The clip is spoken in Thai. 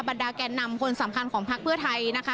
ดาแก่นำคนสำคัญของพักเพื่อไทยนะคะ